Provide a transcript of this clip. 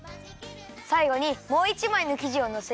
さいごにもう１まいのきじをのせるよ。